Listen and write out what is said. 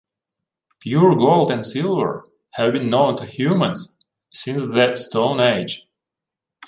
Pure gold and silver have been known to humans since the Stone Age.